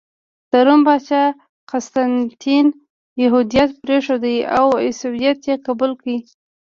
د روم پاچا قسطنطین یهودیت پرېښود او عیسویت یې قبول کړ.